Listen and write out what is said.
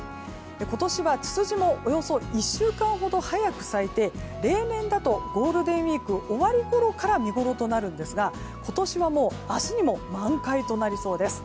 今年はツツジもおよそ１週間ほど早く咲いて例年だとゴールデンウィークの終わりごろから見ごろとなるんですが今年は、もう明日にも満開となりそうです。